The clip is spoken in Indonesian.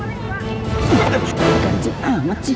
gajik amat sih